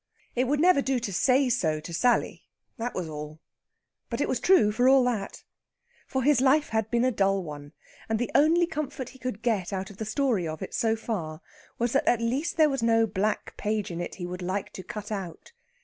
It would never do to say so to Sally, that was all! But it was true for all that. For his life had been a dull one, and the only comfort he could get out of the story of it so far was that at least there was no black page in it he would like to cut out.